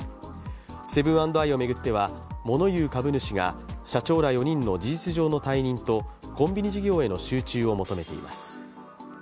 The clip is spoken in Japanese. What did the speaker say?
セブン＆アイを巡っては物言う株主が社長ら４人の事実上の退任とコンビニ事業への集中を求めています。